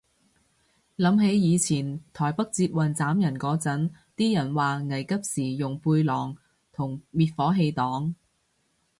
諗起以前台北捷運斬人嗰陣，啲人話危急時用背囊同滅火筒擋